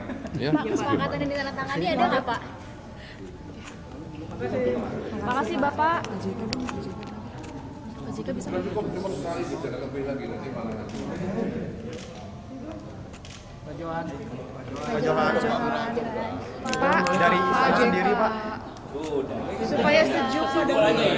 pak makasih bapak